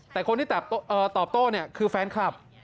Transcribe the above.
แต่คนที่ตอบโต้เนี่ยคือแฟนคลับ